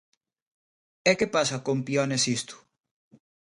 E que pasa con Pione Sisto?